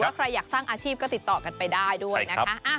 ถ้าใครอยากสร้างอาชีพก็ติดต่อกันไปได้ด้วยนะคะ